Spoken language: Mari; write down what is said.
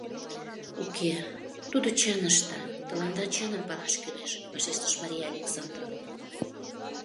— Уке, тудо чын ышта, тыланда чыным палаш кӱлеш, — вашештыш Мария Александровна.